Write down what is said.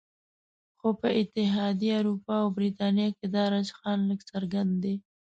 خو په اتحادیه اروپا او بریتانیا کې دا رجحان لږ څرګند دی